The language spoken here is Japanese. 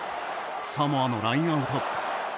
サモアのラインアウト。